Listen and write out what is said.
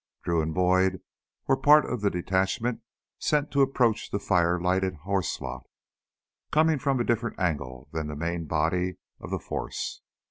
Drew and Boyd were part of the detachment sent to approach the fire lighted horse lot, coming from a different angle than the main body of the force.